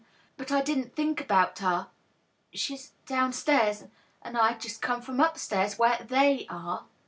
But I didn't think about her — she's down stairs, and I'd just come from upnstairs, where ihey are.